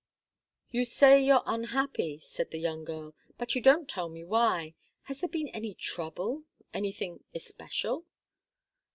"You say you're unhappy," said the young girl. "But you don't tell me why. Has there been any trouble anything especial?"